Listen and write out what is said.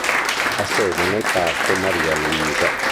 Ha sede nel Parco Maria Luisa.